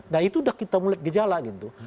nah itu udah kita mulai gejala gitu